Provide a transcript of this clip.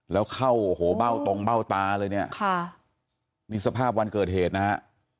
แล้วเข้าโอ้โหเบ้าตรงเบ้าตาเลยเนี่ยค่ะนี่สภาพวันเกิดเหตุนะฮะ